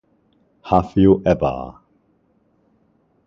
Have You Ever?